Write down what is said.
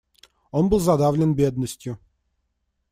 Он был задавлен бедностью.